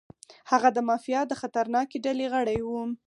هغه د مافیا د خطرناکې ډلې غړی و.